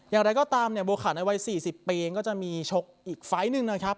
อย่างไรก็ตามเนี่ยบัวขันในวัย๔๐ปีเองก็จะมีชกอีกไฟล์หนึ่งนะครับ